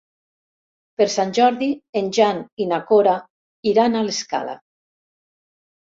Per Sant Jordi en Jan i na Cora iran a l'Escala.